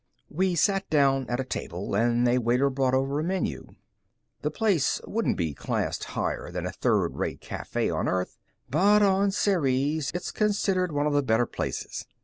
We sat down at a table, and a waiter brought over a menu. The place wouldn't be classed higher than a third rate cafe on Earth, but on Ceres it's considered one of the better places.